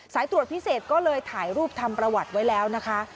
ตรวจพิเศษก็เลยถ่ายรูปทำประวัติไว้แล้วนะคะ